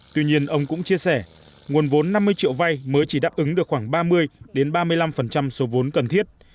tuy nhiên ông cũng chia sẻ nguồn vốn năm mươi triệu vay mới chỉ đáp ứng được khoảng ba mươi ba mươi năm số vốn cần thiết